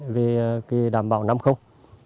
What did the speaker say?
về đảm bảo năm không